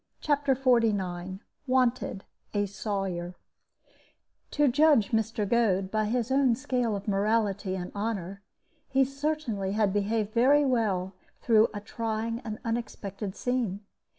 CHAPTER XLIX WANTED, A SAWYER To judge Mr. Goad by his own scale of morality and honor, he certainly had behaved very well through a trying and unexpected scene.